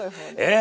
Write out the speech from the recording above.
え？